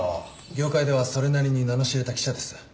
業界ではそれなりに名の知れた記者です。